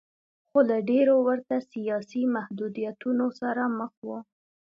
خو له ډېرو ورته سیاسي محدودیتونو سره مخ و.